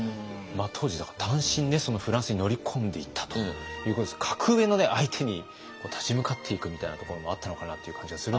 当時だから単身フランスに乗り込んでいったということですけど格上の相手に立ち向かっていくみたいなところもあったのかなっていう感じがするんですけど。